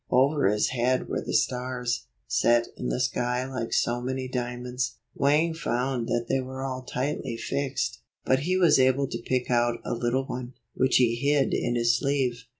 Over his head were the stars, set in the sky like so many diamonds. Wang found that they were all tightly fixed, but he was able to pick out a little one, which he hid in his sleeve.